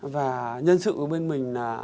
và nhân sự của bên mình là